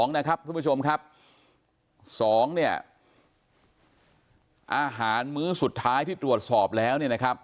๒นะครับทุกผู้ชมครับ๒อาหารมื้อสุดท้ายที่ตรวจสอบแล้ว